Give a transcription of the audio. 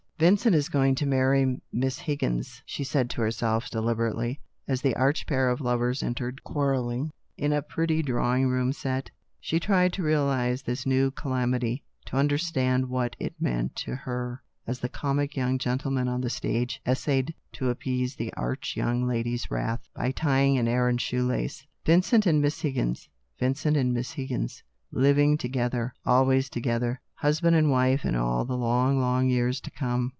" Vincent is going to marry Miss Higgins," she said to herself deliberately, as the arch pair of lovers entered quarrelling in a drawing room set. She tried to realise what this new calamity meant to her, as the comic young gentleman on the stage essayed to appease the arch young lady's wrath by tying an errant shoelace. Vincent and Miss Higgins. .. Vincent and Miss Higgins. .. living to gether, always together, husband and wife in C il\ THE 8T0BT OF A MODERN WOMAN. ) all the long, long years to come.